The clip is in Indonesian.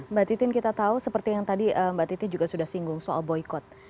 mbak titin kita tahu seperti yang tadi mbak titi juga sudah singgung soal boykot